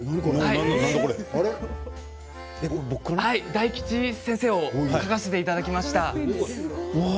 大吉先生を描かせていただきました。